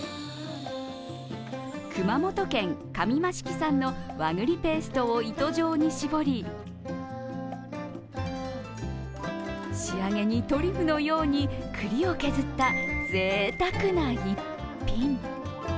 熊本県上益城産の和栗ペーストを糸状に絞り仕上げにトリュフのように栗を削ったぜいたくな一品。